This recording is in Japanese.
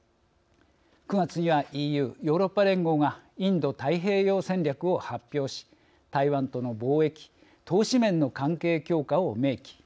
９月にはＥＵ＝ヨーロッパ連合がインド太平洋戦略を発表し台湾との貿易・投資面の関係強化を明記。